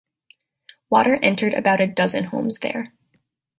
Water entered about a dozen homes there.